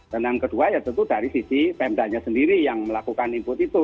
dan yang kedua ya tentu dari sisi pemda nya sendiri yang melakukan input itu